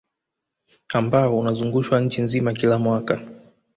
Ambao unazungushwa nchi nzima kila mwaka